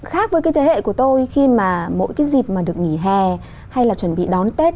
khác với cái thế hệ của tôi khi mà mỗi cái dịp mà được nghỉ hè hay là chuẩn bị đón tết